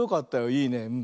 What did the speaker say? いいね。